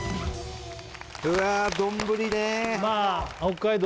うわ丼ね